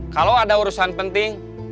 kalau ada urusan penting